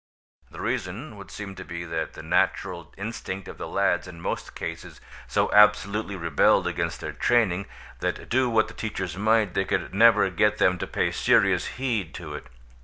The reason would seem to be that the natural instinct of the lads in most cases so absolutely rebelled against their training, that do what the teachers might they could never get them to pay serious heed to it.